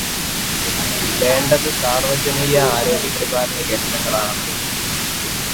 വേണ്ടത് സാർവജനീയ ആരോഗ്യപരിപാലന കേന്ദ്രങ്ങളാണ്.